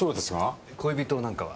恋人なんかは？